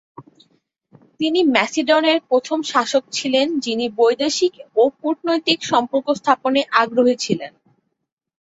তিনি ম্যাসিডনের প্রথম শাসক ছিলেন, যিনি বৈদেশিক ও কূটনৈতিক সম্পর্ক স্থাপনে আগ্রহী ছিলেন।